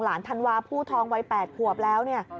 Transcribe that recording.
หลานธรรวรรษผู้ทองวัยแปดหวบแล้ว